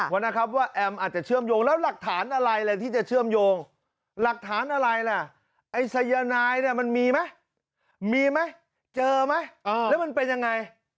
ว่านะครับว่าแอมอาจจะเชื่อมโยงแล้วหลักฐานอะไรแหละที่จะเชื่อมโยงหลักฐานอะไรล่ะไอ้สายนายเนี่ยมันมีไหมมีไหมเจอไหมแล้วมันเป็นยังไง